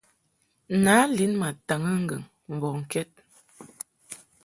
Nǎ lin ma taŋɨ ŋgɨŋ mbɔŋkɛd.